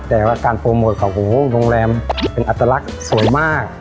แต่ว่าการโปรโมทของโรงแรมเป็นอัตลักษณ์สวยมาก